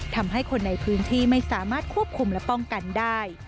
ทำให้คนในพื้นที่ไม่สามารถควบคุมและป้องกันได้